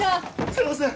すいません。